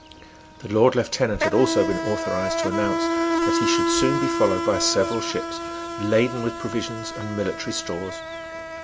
The Lord Lieutenant had also been authorised to announce that he should soon be followed by several ships, laden with provisions and military stores.